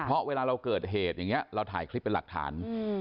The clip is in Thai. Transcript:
เพราะเวลาเราเกิดเหตุอย่างนี้เราถ่ายคลิปเป็นหลักฐาน